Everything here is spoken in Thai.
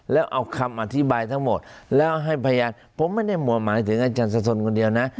แล้วเอาคำอธิบายทั้งหมดแล้วให้พยานผมไม่ได้หมวดหมายถึงอาจารย์สะสนคนเดียวนะ